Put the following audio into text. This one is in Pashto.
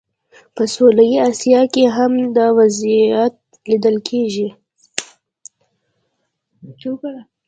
په سویلي اسیا کې هم دا وضعیت لیدل کېږي.